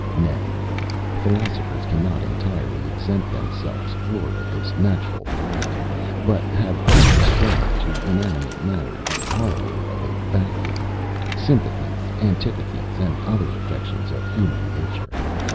Nay, philosophers cannot entirely exempt themselves from this natural frailty; but have oft ascribed to inanimate matter the horror of a vacuum, sympathies, antipathies, and other affections of human nature.